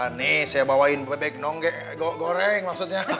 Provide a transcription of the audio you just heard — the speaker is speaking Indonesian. ini saya bawain bebek gok goreng maksudnya